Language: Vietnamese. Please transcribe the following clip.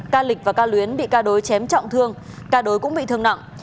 ca lịch và ca luyến bị ca đối chém trọng thương ca đối cũng bị thương nặng